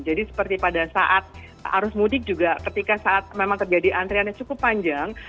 jadi seperti pada saat arus mudik juga ketika saat memang terjadi antriannya cukup panjang